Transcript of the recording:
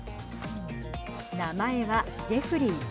名前はジェフリー。